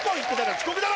遅刻だろ。